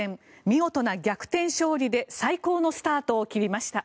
見事な逆転勝利で最高のスタートを切りました。